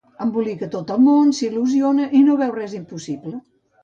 Embolica tot el món, s’il·lusiona i no veu res impossible.